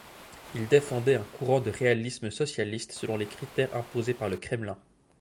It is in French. Il défendait un courant de réalisme socialiste selon les critères imposés par le Kremlin.